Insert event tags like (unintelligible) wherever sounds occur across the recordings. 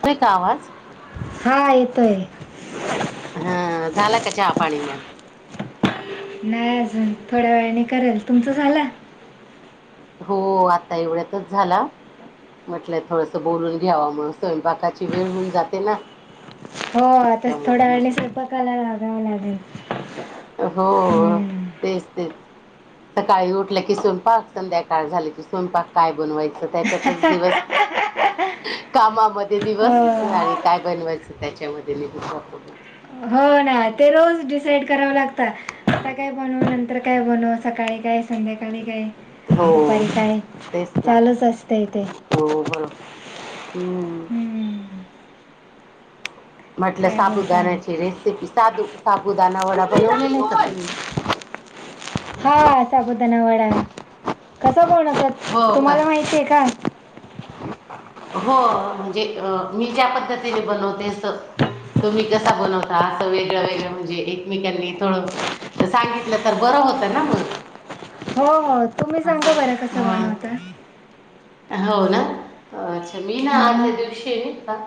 येत नाही का आवाज? हा येतोय. हा झाला का चहा पाणी मग? नाही अजून थोड्या वेळाने करेल, तुमचं झालं? हो आता एवढ्यातच झाला. म्हटलं थोडंसं बोलून घ्यावा मग स्वयंपाकाची वेळ होऊन जाते ना. हो आताच त्यामुळं थोड्या वेळ नि म्हटलं स्वयंपाकाला लागाव लागेल. हो हम्म. तेच, तेच. सकाळी उठले की स्वयंपाक, संध्याकाळ झाले की स्वयंपाक. काय बनवायच त्याच्यातच दिवस कामा मध्ये ते हो दिवस आणि काय बनवायचं त्याच्यामध्ये निघून जातो. हो ना ते रोज डिसाईड कराव लागता. आता काय बनू, नंतर काय बनुव, सकाळी काय, संध्याकाळी काय हो दुपारी काय तेच ना चालूच असतय ते. हो बरोबर हम्म. हम्म. म्हटलं काय बोलताय साबुदाण्याची रेसिपी साधू साबुदाणा वडा बनवलेला होता की. हा साबूदाणा वडा कसा बनवत हो का? तुम्हाला माहितीय का? हो म्हणजे अ मी ज्या पद्धतीने बनवते अस तोम्ही कसा बनवता? असं वेगळं, वेगळं म्हणजे एकमेकांनी थोड सांगितलं तर बर होतं ना मग. हो, हो तुम्ही सांगा बर असं कस मग बनवता? हो ना अच्छा मी ना हम्म. आधल्या दिवशी का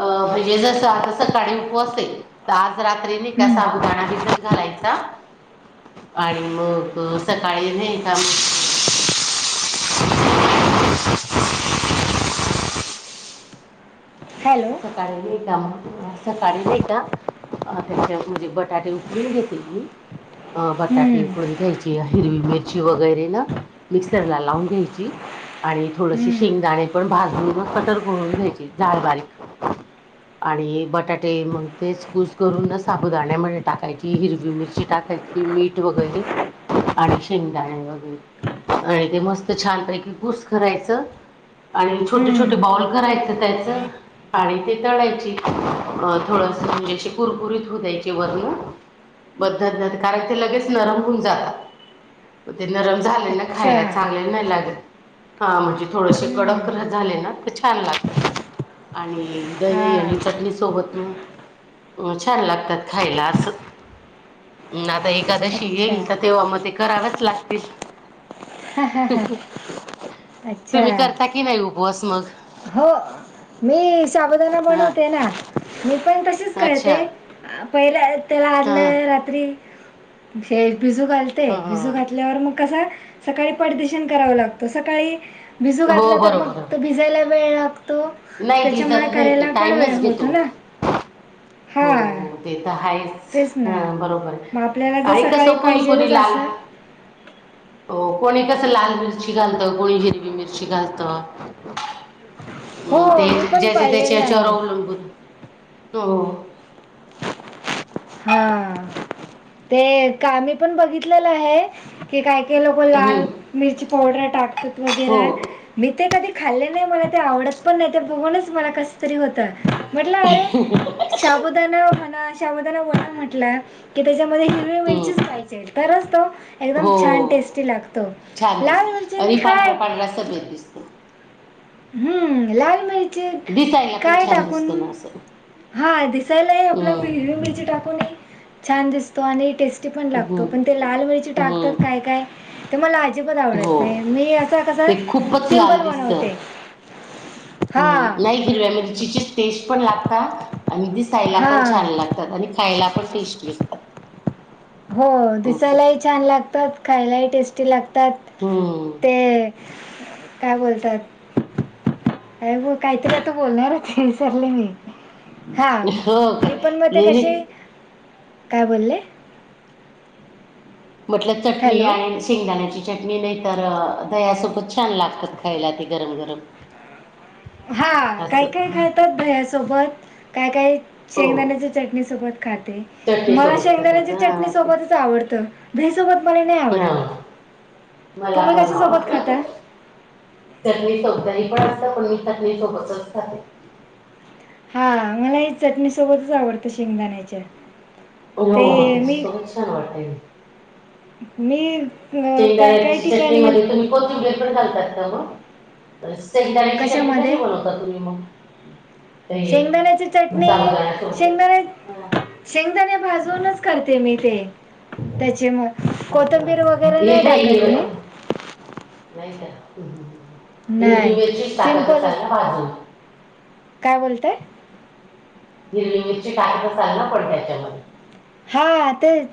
अ म्हणजे जसं आता सकाळी उपवास हे तर आज रात्री नाही का हम्म. साबुदाणा भिजत घालायचा. आणि मग सकाळी नाही का हॅलो. काहीतरी काम सकाळी नाही का अ त्याच्या म्हणजे बटाटे उकडून घेते मी. अ बटाटे हम्म, उकडून घ्यायचे. हिरवी मिरची वगैरे ना. मिक्सरला लावून घ्यायची. आणि थोडसे हम्म, शेंगदाणे पण भाजून कटर करून घ्यायचे जाड बारीक. आणि बटाटे मग तेच कुस्करून ना साबुदाण्यामध्ये टाकायची हिरवी मिरची टाकायची. मीठ वगैरे आणि शेंगदाणे वगैरे. आणि ते मस्त छानपैकी कुस्करायच आणि छोटे हम्म, छोटे बॉल करायचं त्याचं. आणि ते तळायची. अ थोडस म्हणजे कुरकुरीत होवू द्यायचे वरण. कारण काय ते लगेच नरम होऊन जातात. ते नरम झाले ना अच्छा खायला चांगले नाही लागत. ह म्हणजे, थोडसे हम्म, कडक झाले ना तर छान लागत. आणि हा दही आणि चटणी सोबत हम छान लागतात खायला अस. आता एकादशी अच्छा येईल तर हा, तेव्हा मग ते करावेच लागतील. हा, हा, अच्छा तुम्ही करता कि नाही उपवास मग? हो. मी साबुदाणा हा बनवते ना. मी पण तसेच अच्छा करते. पहिल्या त्याला हा आदलं रात्री हे भीजू घाल ते. हा भिजू घातल्यावर मग कसा सकाळी पटदिशिन कराव लागत. सकाळी भिजू घातला हो तर मग, बरोबर. तो भिजायला वेळ लागतो. नाही त्याच्यामुळे भिजत नाही करायला ते पण वेळ टाइमच होतो घेतो. ना. हो हा. हो, ते तर आहेच. तेच हा ना बरोबर आहे. मग आपल्याला तर आईस सकाळी कोणी दिली पाहिजेलच पुरी लाल असं हो. कोणी कसं लाल मिरची घालत कोणी हिरवी मिरची घालत. हो हम. ते मी जे पण ज्याच्या पाहिलेले त्याच्यावर आहेत अवलंबून हो. हा ते का मी पण बघितलेलं आहे. की काय काही लोक लाल हं मिरची पावडर टाकतात हो वगैरा. मी ते कधी खाल्ले नाही. मला ते आवडत पण नाही. ते बघूनच मला कस तरी होत म्हटल (unintelligible) शाबुदाणा म्हणा, शाबुदाणा वड म्हटला की त्याच्यामध्ये हिरवी मिरचीच हं पाहिजेल. तरच तो एकदम छान हो टेस्टी लागतो. लाल मिरची नि काय त्याला भेद दिसतो. हम्म. लाल मिर ते दिसायला पण काय छान टाकून. दिसतो ना असं हा दिसायलाही. आपली हिरवी हं मिरची टाक ले छान दिसतो आणि टेस्टी पण लागतो. हं पण ते लाल मिरची टाकतात हं काय काय तर मला अजिबात हो आवडत नाही. मी असा कसा सिम्पल बनवतो. हम. नाही हिरव्या मिरचीचे टेस्ट पण लागतात आणि दिस सायला पण छान हां. लागतात आणि खायला पण टेस्ट असतात. हो. असं दिसायलाही छान लागतात. खायलाही टेस्टी लागतात. हम. ते काय बोलतात. अरे ब काहीतरी आता बोलणार होते. विसरले मी. हा हो मी काय पण मते नाही कशी नाही काय बोलले? म्हटलं चटणी हॅलो? आणि शेंगदाण्याची चटणी नाही तर दहयासोबत. छान लागतात खायला ते गरम गरम. हा काय असं काय खातात दह्यासोबत. काय काय हो शेंगदाण्याच्या चटणी सोबत खाते. चटणी मला सोबत खातात शेंगदाण्याच्या चटणी हा तेच सोबतच आवडत. दह्यासोबत मला नाही हा आवडत मला तुम्ही पण कश्या सोबत खाता? आवडतं चटणी सौदानी पण असलं पण मी खात नाही (unintelligible) सोबतच खाते. हा मला ही चटणी सोबतच आवडतं शेंगदाण्याच्या. हो हो ते तेच्या मी सोबत छान वाटते. मी अं, काय काय शेंगदाण्याच्या ठिकाणी म्हण चटणीमध्ये तुम्ही कोंथीबिर पण घालतात का म शेंगदाण्याची चटणी कशामध्ये कशी बनवता तुम्ही मग? ते शेंगदाण्याची चटणी साबुदाणा सोबत शेंगदाण्या हां शेंगदाणे भाजूनच करते मी ते. त्याचे म असं कोथंबीर वगैरे नाही टाकत मी. नाहीत का हम्म हम्म हिरवी नाही मिरची टाकत सिम्पलच असाल ना भाजून. काय बोलताय? हिरवी मिरची टाकत असाल ना परत त्याच्यामध्ये. हा तेच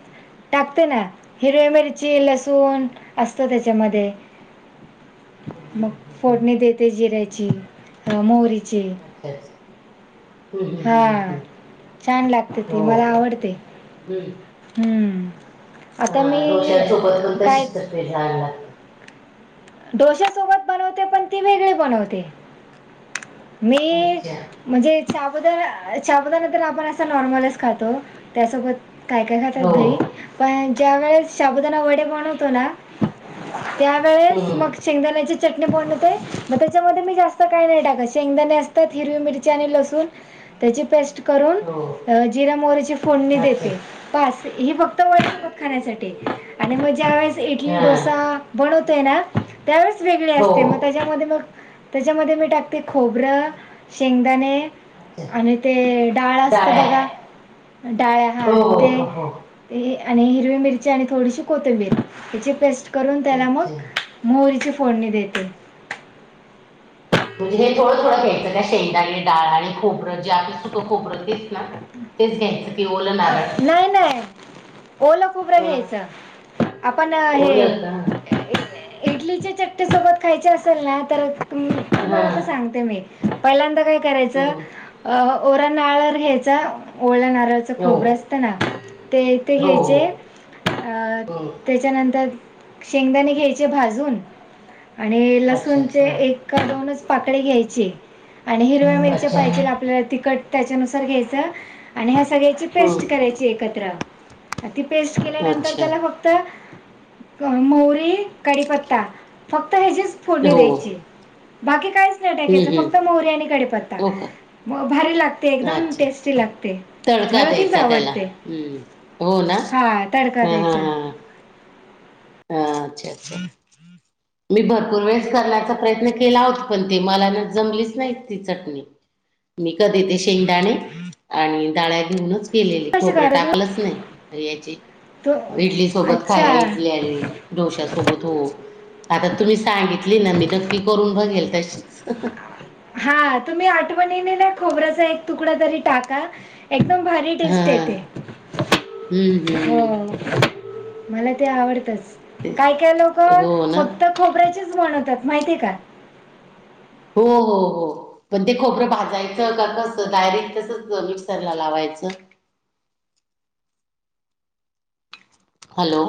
टाकते ना हिरव्यामिरची, लसूण हं, असतं त्याच्यामध्ये हं, मग हं, हं. फोडणी देते जिऱ्याची, मोहरीची. (unintelligible) हं, हं, हा हं, हं, हं. छान लागते ती हो मला का आवडते. (unintelligible) हम्म. आता हा मी अ, डोश्यांसोबत पण काय तशीच चटणी (unintelligible) लाग डोश्यासोबत बनवते पण ती वेगळी बनवते मी अच्छा म्हणजे चाबूदाणा चाबूदाणा तर आपण असं नॉर्मलच खातो त्यासोबत काय काय खातात हो दही पण ज्या वेळेस शाबुदाना वडे बनवतो ना त्यावेळेस हं, मग शेंगदाण्याची चटणी बनवते म त्याच्यामध्ये मी जास्त काय नाही टाकत शेंगदाणे असतात हिरवी मिर ची आणि लसूण त्याची पेस्ट करून हो अ जिरे, मोहरीची ची फोडणी अच्छा देते पास ही फक्त वडया सोबत खाण्यासाठी आणि मग ज्याळेस इडली हा डोसा बनवतो आहे ना त्या वेळीस वेगळी हो असते मग त्या त्यामध्ये मग त्याच्यामध्ये मी टाकते खोबरं, शेंगदाणे अच्छा आणि ते डाळ असतं डाळ्या बघा डाळया हा हो ते हो हो ए आणि हिरवी मिरची आणि थोडीशी कोथिंबीर हिची पेस्ट करून त्याला मग अच्छा मोहरीची फोडणी देते. म्हणजे हे थोडं थोडं घ्यायचं काय शेंगदाणे, डाळ आणि खोबरं जे आपले सुखं खोबरं तेच ना तेच घ्यायचं की ओलं अ नारळ नाय नाय ओल खूबरं हं, घ्यायचं आपण हे ओलं का ए इडलीच्या चट्टे सोबत खायचे असेल ना तर मला हां तर सांगते मी पहिल्यांदा काय करायचं हं, अ ओरा नारळ घ्याचं ओला नारळ त हो खोबरं असतना ते ते हो हो घ्यायचे आ हं, त्याच्यानंतर शेंगदाणे घ्यायचे भाजून आणि अच्छा लसूणचे हां एक का दोनच पाकडे घ्यायचे आणि हिरव्या मिरच्या अच्छा पाहिजेल आपल्याला तिकट त्याच्यानुसार घ्यायच आणि ह्या सगळ्याची हं, पेस्ट करायची एकत्र. ती पेस्ट केल्यानंतर अच्छा त्याला फक् त मोहरी, कडीपत्ता फक्त ह्याचीस फोडणी हो द्यायची, बाकी काहीच नाही हं, टाकायच, हं, फक्त मोहरी, आणि कडीपत्ता. हो का भारी लागते, एकदम अच्छा टेस्टी लागते. तडका मला तीच द्यायचा त्याला, आवडते हम, हो ना, हा तडका ह- ह- द्यायचा ह, हा, अच्छा- अच्छ मी, भरपूर वेळेस करण्याचा प्रयत्न केला होता, पण ते मला ना, जमलीच नाही ती चटणी. मी, कधी ते शेंगदाणे, आणि डाळ्या घेऊनच केलेली, कशी खोबरं करतो टाकलंच नाही, याची तू इडली सोबत खाइ अच्छा डोश्या सोबत हो, आता, तुम्ही सांगितली ना, मी नक्की करून बघेल तशीच. हा, तुम्ही आठवणीने ना, खोबऱ्याचा एक तुकडा तरी टाका. एकदम, भारी हा टेस्ट येते, हम्म हो हम्म मला ते आवडतच, तेच काय -काय लोक हो ना फक्त खोबऱ्याचेच बनवता, माहितीय का, हो, हो, हो, पण ते खोबरं, भाजायचं का कसं, डायरेक्ट तसच मिक्सरला लावायचं? हॅलो!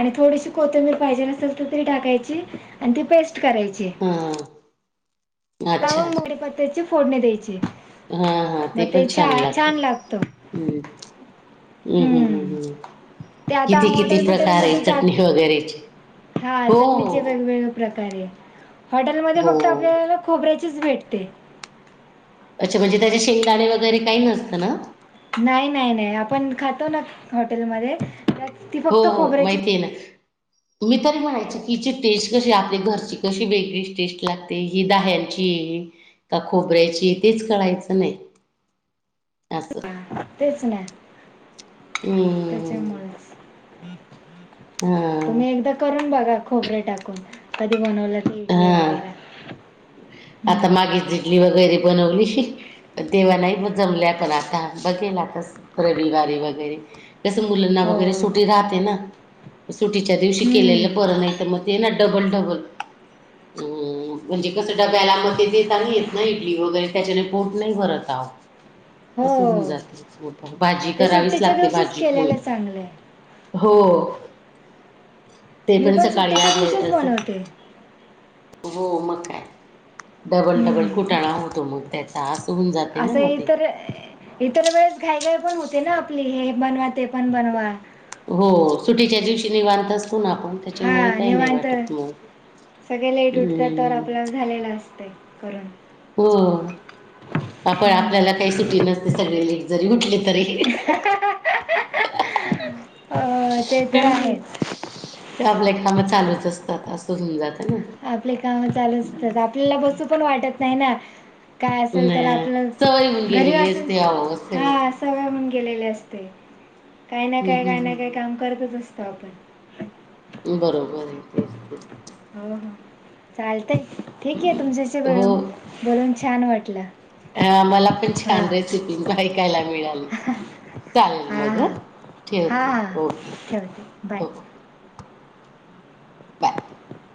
आणि थोडीशी कोथिंबीर, पाहिजे नेलस तर, तरी टाकायची, आणि ती पेस्ट करायची. हा, त्या अच्छा वर, कडीपत्त्याची फोडणे द्यायचे, हा मग ते छ- छान लागत. हम् -हम् -हम्- हम्म -हम्, ते आता किती, किती हॉटेल प्रकारे बिटेलमध्ये चटणी जात वगैरेची, हो, प्रकारे आहे, हो हॉटेलमध्ये फक्त हो आपल्याला, खोबऱ्याचीच भेटते. अच्छा, म्हणजे त्याचे शेंगदाने, वगैरे काही नसतं ना. नाही -नाही -नाही, आपण खातो ना हॉटेलमध्ये, त्यात ती हो, फक्त हो खोबऱ्याची माहिती आहे ना. मी तरी म्हणायचे, किची टेस्ट कशी, आपल्या घरची कशी वेगली टेस्ट लागते. ते, ही दहालची का, खोबऱ्याची, तेच कळायचं नाही. असं, तेच, ना हम्म त्याच्यामुळेच, हां तुम्ही एकदा करून बघा, खोबरे टाकून कधी, बनवलं त इटली हां वगैरे, आता हम्म. मागे, इडली वगैरे बनवली श, तेव्हा नाही जमल्या, पण आता बघेण, आता रविवारी वगैरे, कस, मुलांना हो वगैरे सुटी राहते ना, सुटीच्या दिवशी केलेलं हम्म. बर नाही तर मग ते ना, डबल- डबल हम, म्हणजे कस डब्याला मग ते देताना येत ना, इडली वगैरे त्याच्याने पोट, नाही भरत अवो, असं होऊन हो जाते, भाजी ते करावीच सुट्टीच्या लागते, दिवशीच भाजी, पोळी केलेलं चांगलं आहे हो, ते मी पण सकाळी, सुट्टीच्या आजले त दिवशीच असं, बनवते हो, मग काय. डबल, डबल हम्म. कुटाणा होतो मग त्याचा, असं होऊन जाते ना, असं मग ते. इतर इतर वेळेस, घाई, घाई पण होते ना आपली, हे बनवा, ते पण बनवा. हो, सुटीच्या दिवशी निवांत, असतो ना आपण. त्याच्यामुळे हा, काही नाही निवांत, वाटत मग. सगळे लेट उठत तर, हम्म आपल्या झालेलं असतय. करण, हो, पाप हम्म आपल्याला ते सुटी नसते, सगळे लेट जरी उठले तरी. (unintelligible) ते तर ह्म, आहेच आपले काम चालूच असतात, असं होऊन जातं ना. आपले काम चालू असतात, आपल्याला बसू पण वाटत नाही ना. काय असल तर नाही आपलं, सवय होऊन घरी गेलेली असून, असते अहो असते ना. हां. सवय होऊन गेलेली असते, काही ना, हम्म काही हम्म ना, काही काम हम्म करतच असतो, आपण. बरोबर ये तेच तेच. हो हो, चालत, ठीक ये, तुमच्याशी हो. बोलून, बोलून छान वाटलं. अं मला पण हां छान रेसिपी, ऐकायला मिळाली. चालेल हां मग हं, ठेवते ओके. चालतय, बाय. हो बाय (unintelligible)